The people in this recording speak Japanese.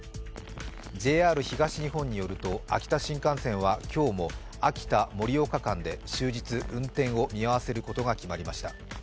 ＪＲ東日本によると秋田新幹線は今日も秋田−盛岡間で終日、運転を見合わせることが決まりました。